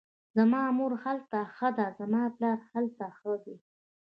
زما مور هلته ښخه ده, زما پلار هلته ښخ دی